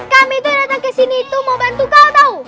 kami datang ke sini mau bantu kamu tau